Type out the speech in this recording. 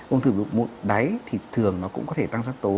ung thư biểu mốt đáy thì thường nó cũng có thể tăng sắc tố